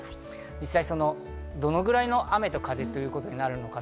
実際どのくらいの雨と風ということになるのか。